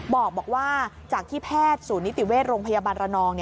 บอกว่าจากที่แพทย์ศูนย์นิติเวชโรงพยาบาลระนอง